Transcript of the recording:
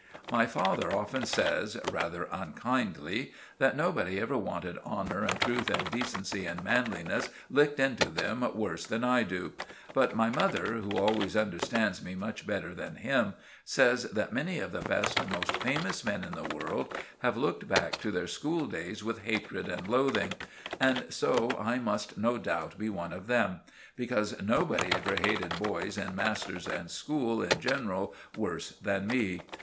My father often says, rather unkindly, that nobody ever wanted honour and truth and decency and manliness licked into them worse than I do; but my mother, who always understands me much better than him, says that many of the best and most famous men in the world have looked back to their school days with hatred and loathing; and so I must no doubt be one of them; because nobody ever hated boys and masters and school in general worse than me.